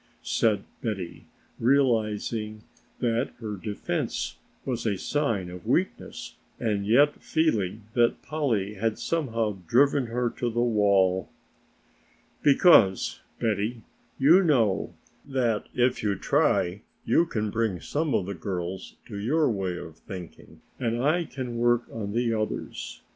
said Betty, realizing that her defense was a sign of weakness and yet feeling that Polly had somehow driven her to the wall. "Because, Betty, you know that if you try you can bring some of the girls to your way of thinking and I can work on the others.